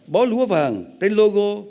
bó lúa vàng tên logo